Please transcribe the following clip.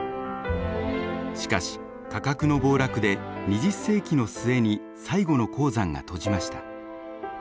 しかし価格の暴落で２０世紀の末に最後の鉱山が閉じました。